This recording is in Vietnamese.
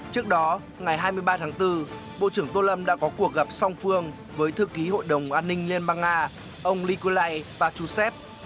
trước đó ngày hai mươi ba tháng bốn bộ trưởng tô lâm đã có cuộc gặp song phương với thư ký hội đồng an ninh liên bang nga ông nikolai pachusev